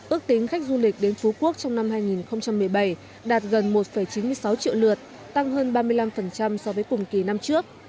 ước tính khách du lịch đến phú quốc trong năm hai nghìn một mươi bảy đạt gần một chín mươi sáu triệu lượt tăng hơn ba mươi năm so với cùng kỳ năm trước